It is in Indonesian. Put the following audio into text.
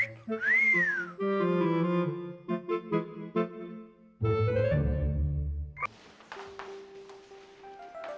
ya udah sudah udah